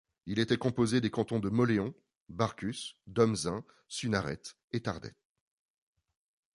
Il était composé des cantons de Mauléon, Barcus, Domezain, Sunharette et Tardets.